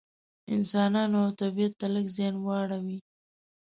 انسانانو او طبیعت ته لږ زیان واړوي.